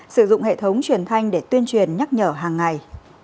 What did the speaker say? sử dụng hệ thống truyền thanh để tuyên truyền nhắc nhở hàng ngày